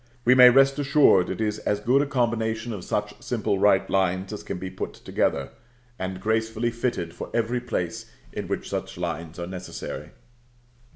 We may rest assured it is as good a combination of such simple right lines as can be put together, and gracefully fitted for every place in which such lines are necessary.